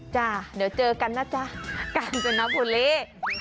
จ้ะเดี๋ยวเจอกันนะจ๊ะกาญจนบุรี